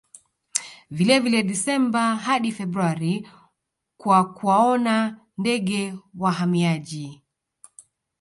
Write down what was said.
Vilevile Desemba hadi Februari kwa kuwaona ndege wahamiaji